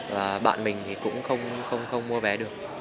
và bạn mình thì cũng không mua vé được